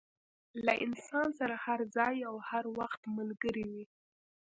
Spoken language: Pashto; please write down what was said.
له انسان سره هر ځای او هر وخت ملګری وي.